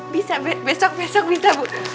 bisa besok besok bisa bu